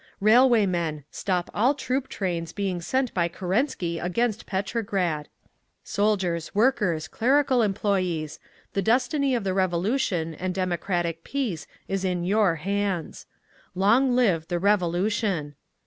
Railway men! Stop all troop trains being sent by Kerensky against Petrograd! Soldiers, Workers, Clerical employees! The destiny of the Revolution and democratic peace is in your hands! Long live the Revolution!